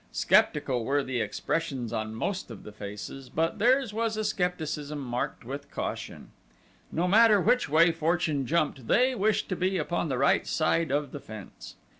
Skeptical were the expressions on most of the faces; but theirs was a skepticism marked with caution. No matter which way fortune jumped they wished to be upon the right side of the fence.